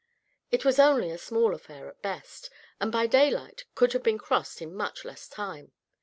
It was only a small affair at best, and by daylight could have been crossed in much less time.